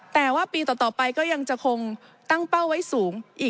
แต่ว่าปีต่อไปก็ยังจะคงตั้งเป้าไว้สูงอีก